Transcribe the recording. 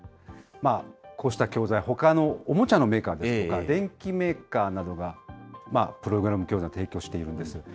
こうした教材、ほかのおもちゃのメーカーとか、電機メーカーなどが、プログラム教材を提供しているんです。